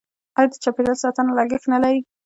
آیا د چاپیریال ساتنه لګښت نلري؟